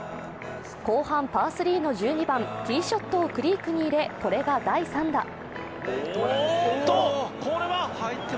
後半パー３の１２番、ティーショットをクリークに入れ、これが第３打。